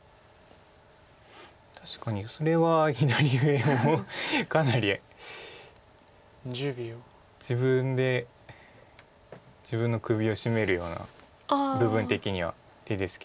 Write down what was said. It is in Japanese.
確かにそれは左上をかなり自分で自分の首を絞めるような部分的には手ですけど。